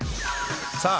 さあ